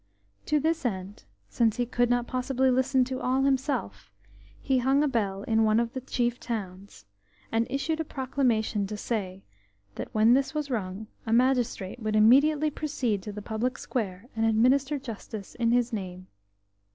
To this end, since he could not possibly listen to all himself, he hung a bell in one of the chief towns, and issued a proclamation to say that when this was rung a magistrate would immediately proceed to the public square and administer justice in his name.